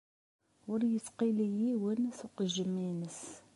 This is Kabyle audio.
Ur ittqili yiwen s uqejjem-ines.